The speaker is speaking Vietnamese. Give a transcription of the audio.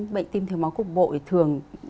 bệnh tiêm thiếu máu cục bộ thì thường